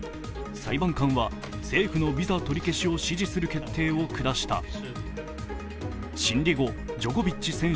裁判官は政府のビザ取り消しを支持する決定を下した。